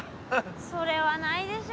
それはないでしょ。